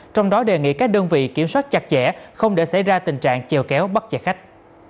trong đó đề nghị các đơn vị kiểm soát chặt chẽ không để xảy ra tình trạng chèo kéo bắt chạy khách